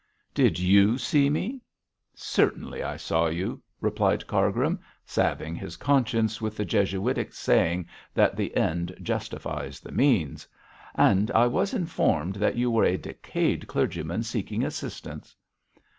'Did you see me?' 'Certainly I saw you,' replied Cargrim, salving his conscience with the Jesuitic saying that the end justifies the means. 'And I was informed that you were a decayed clergyman seeking assistance.'